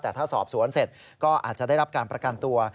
แต่ถ้าสอบสวนเสร็จก็อาจจะได้รับการประกันตัว